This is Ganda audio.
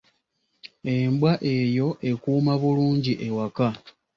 Embwa eyo ekuuma bulungi ewaka.